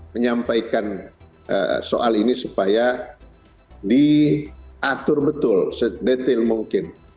menyampaikan soal ini supaya diatur betul sedetil mungkin